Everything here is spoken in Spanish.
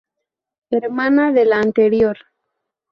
Hermana de la anterior.